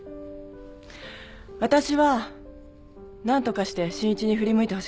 わたしは何とかして真一に振り向いてほしかった。